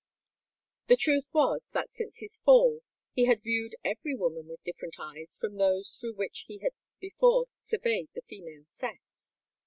The truth was, that, since his fall, he had viewed every woman with different eyes from those through which he had before surveyed the female sex.